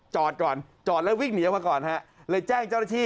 จอดก่อนจอดแล้ววิ่งหนีออกมาก่อนฮะเลยแจ้งเจ้าหน้าที่